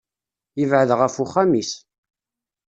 Yebεed ɣef uxxam-is.